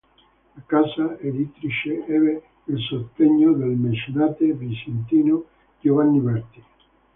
La casa editrice ebbe il sostegno del mecenate vicentino Giovanni Berti.